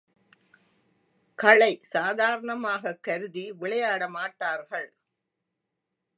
களை சாதாரணமாகக் கருதி விளையாட மாட்டார்கள்.